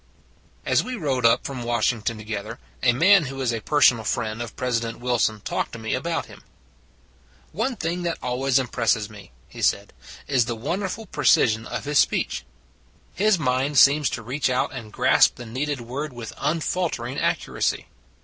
AS we rode up from Washington to gether a man who is a personal friend of President Wilson talked to me about him. " One thing that always impresses me," he said, " is the wonderful precision of his speech. His mind seems to reach out and grasp the needed word with unfaltering accuracy.